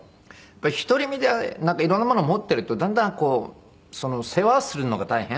やっぱり独り身で色んなもの持っているとだんだんこう世話をするのが大変。